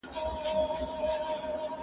زه کولای سم پاکوالی وکړم!؟